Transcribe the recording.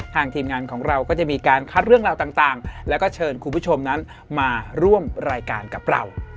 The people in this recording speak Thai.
ทีมงานของเราก็จะมีการคัดเรื่องราวต่างแล้วก็เชิญคุณผู้ชมนั้นมาร่วมรายการกับเรา